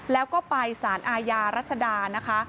แล้วก็ไปสารอาญารัชดานะคะ